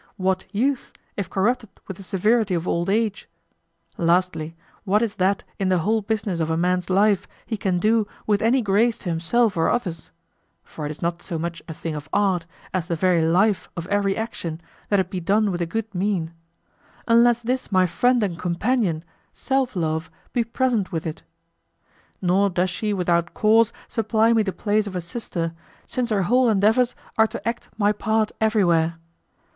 What youth, if corrupted with the severity of old age? Lastly, what is that in the whole business of a man's life he can do with any grace to himself or others for it is not so much a thing of art, as the very life of every action, that it be done with a good mien unless this my friend and companion, Self love, be present with it? Nor does she without cause supply me the place of a sister, since her whole endeavors are to act my part everywhere.